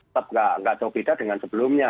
tetap nggak jauh beda dengan sebelumnya